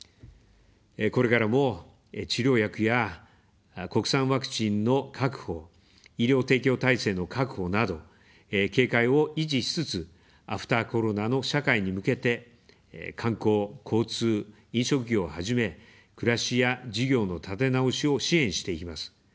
これからも治療薬や国産ワクチンの確保、医療提供体制の確保など警戒を維持しつつ、アフターコロナの社会に向けて、観光、交通、飲食業をはじめ、暮らしや事業の立て直しを支援していきます。